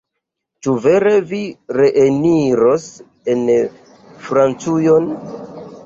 Ĉu vere vi reeniros en Francujon?